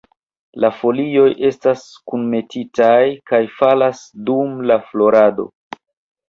La folioj estas kunmetitaj kaj falas dum la florado.